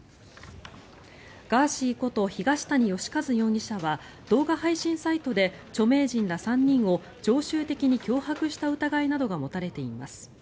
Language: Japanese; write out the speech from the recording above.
ガーシーこと東谷義和容疑者は動画配信サイトで著名人ら３人を常習的に脅迫した疑いなどが持たれています。